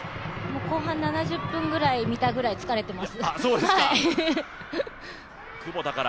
後半７０分見たぐらい疲れてます。